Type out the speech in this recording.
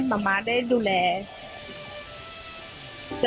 มันเป็นอาหารของพระราชา